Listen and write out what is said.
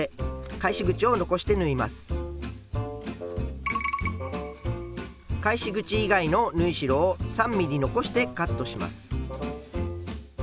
返し口以外の縫い代を３ｍｍ残してカットします。